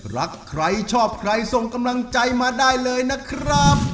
รักใครชอบใครส่งกำลังใจมาได้เลยนะครับ